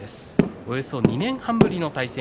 およそ２年半ぶりの対戦。